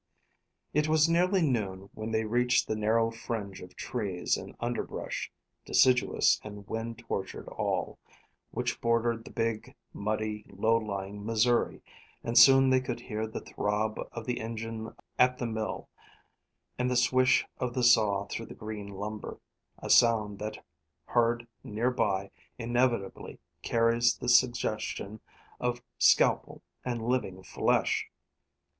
It was nearly noon when they reached the narrow fringe of trees and underbrush deciduous and wind tortured all which bordered the big, muddy, low lying Missouri; and soon they could hear the throb of the engine at the mill, and the swish of the saw through the green lumber; a sound that heard near by, inevitably carries the suggestion of scalpel and living flesh.